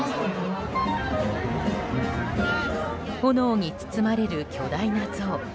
炎に包まれる巨大な像。